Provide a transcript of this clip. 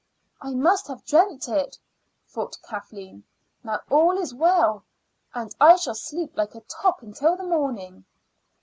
"I must have dreamt it," thought Kathleen. "Now all is well, and I shall sleep like a top until the morning."